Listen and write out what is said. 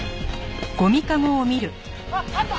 あっあった！